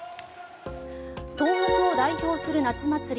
東北を代表する夏祭り